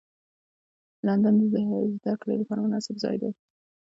لندن د زدهکړو لپاره مناسب ځای دی